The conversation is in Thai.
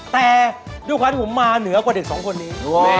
แต่ด้วยความที่ผมมาเหนือกว่าเด็กสองคนนี้